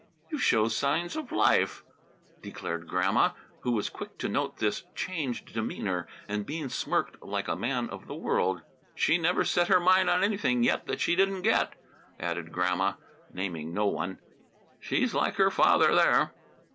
"You show signs of life," declared Grandma, who was quick to note this changed demeanor. And Bean smirked like a man of the world. "She never set her mind on anything yet that she didn't get it," added Grandma, naming no one. "She's like her father there."